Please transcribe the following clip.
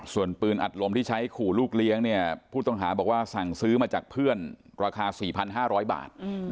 ส่วนปืนอัดลมที่ใช้ขู่ลูกเลี้ยงเนี่ยผู้ต้องหาบอกว่าสั่งซื้อมาจากเพื่อนราคา๔๕๐๐บาท